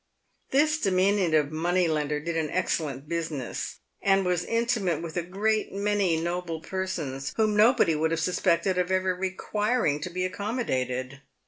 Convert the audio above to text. This diminutive money lender did an excellent business, and was intimate with a great many noble persons whom nobody would have suspected of ever requiring to be accommodated.